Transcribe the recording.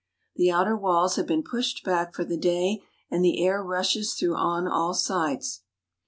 The outer walls have been pushed back for the day, and the air rushes through on all sides.